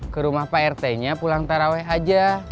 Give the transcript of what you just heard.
ke rumah pak rt nya pulang taraweh aja